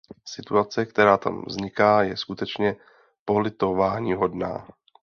Situace, která tam vzniká, je skutečně politováníhodná.